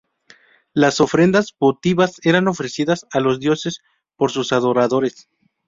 Las ofrendas votivas eran ofrecidas a los dioses por sus adoradores.